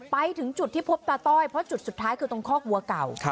ไปถึงจุดที่พบตาต้อยเพราะจุดสุดท้ายคือตรงคอกวัวเก่า